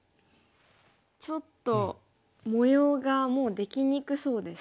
ちょっと模様がもうできにくそうですね。